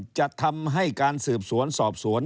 จะทำให้การสืบสวนสอบสวน